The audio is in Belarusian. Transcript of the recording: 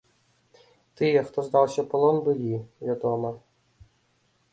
Тыя, хто здаўся ў палон, былі, вядома.